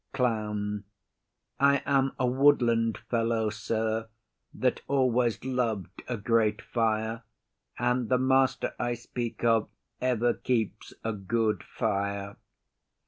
CLOWN. I am a woodland fellow, sir, that always loved a great fire, and the master I speak of ever keeps a good fire.